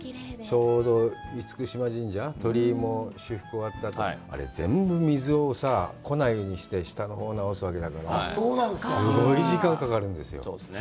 ちょうど嚴島神社、鳥居も修復が終わったあと、あれ、全部、水をさぁ、来ないようにして下のほうを直すわけだから、すごい時間がかかるんですよ。